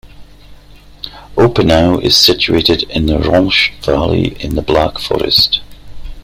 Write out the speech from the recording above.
Oppenau is situated in the Rench valley in the Black Forest.